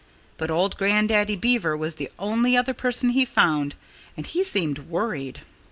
But old Grandaddy Beaver was the only other person he found. And he seemed worried.